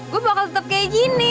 gue bakal tetep kayak gini